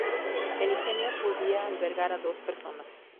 El ingenio podía albergar a dos personas.